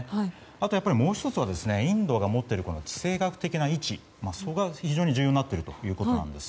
あとはインドが持っている地政学的な位置が非常に重要になっているということです。